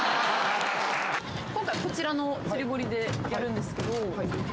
今回こちらの釣り堀でやるんですけど。